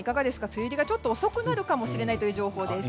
梅雨入りが遅くなるかもしれないという情報です。